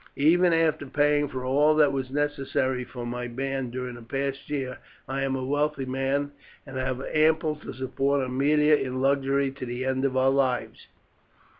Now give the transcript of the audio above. Even after paying for all that was necessary for my band during the past year, I am a wealthy man, and have ample to support Aemilia in luxury to the end of our lives."